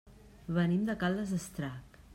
Venim de Caldes d'Estrac.